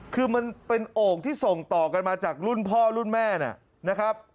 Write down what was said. คือมันเป็นโอ่งที่ส่งต่อกันมาจากรุ่นพ่อรุ่นแม่นะครับ